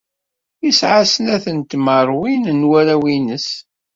Yesɛa snat n tmerwin n warraw-nnes.